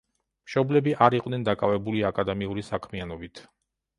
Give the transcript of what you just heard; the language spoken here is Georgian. მშობლები არ იყვნენ დაკავებული აკადემიური საქმიანობით.